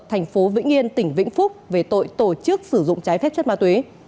tp vĩnh yên tỉnh vĩnh phúc về tội tổ chức sử dụng trái phép chất ma túy